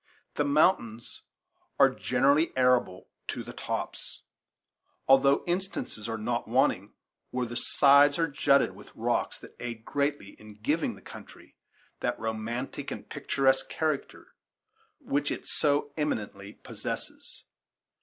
The mountains are generally arable to the tops, although instances are not wanting where the sides are jutted with rocks that aid greatly in giving to the country that romantic and picturesque character which it so eminently possesses.